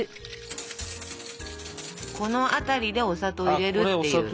この辺りでお砂糖入れるっていう。